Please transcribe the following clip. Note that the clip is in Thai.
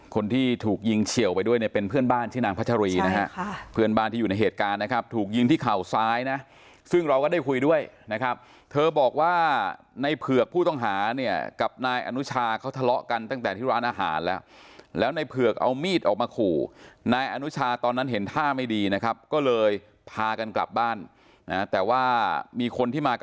คนที่ถูกยิงเฉียวไปด้วยเนี่ยเป็นเพื่อนบ้านชื่อนางพัชรีนะฮะเพื่อนบ้านที่อยู่ในเหตุการณ์นะครับถูกยิงที่เข่าซ้ายนะซึ่งเราก็ได้คุยด้วยนะครับเธอบอกว่าในเผือกผู้ต้องหาเนี่ยกับนายอนุชาเขาทะเลาะกันตั้งแต่ที่ร้านอาหารแล้วแล้วในเผือกเอามีดออกมาขู่นายอนุชาตอนนั้นเห็นท่าไม่ดีนะครับก็เลยพากันกลับบ้านนะแต่ว่ามีคนที่มาก